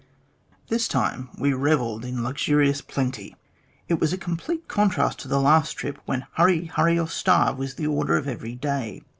This time we revelled in luxurious plenty. It was a complete contrast to the last trip,, when hurry, hurry, or starve was the order of every day.